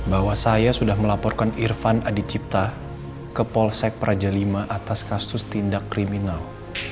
bahwa saya sudah melaporkan irfan adicipta ke polsek prajalima atas kasus tindak kriminal